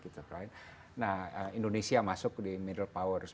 nah indonesia masuk di middle powers